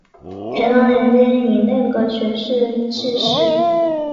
乾隆年间以内阁学士致仕。